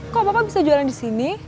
kok bapak bisa jualan di sini